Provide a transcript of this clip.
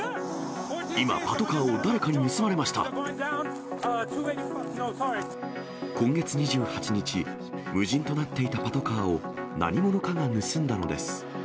今、今月２８日、無人となっていたパトカーを何者かが盗んだのです。